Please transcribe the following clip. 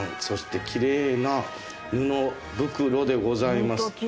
そしてきれいな布袋でございます。